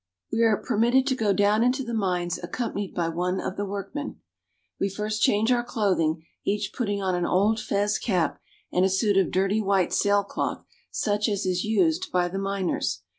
We are permitted to go down into the mines accompanied by one of the workmen. We first change our clothing, each putting on an old fez cap and a suit of dirty white sail cloth such as is used by the miners.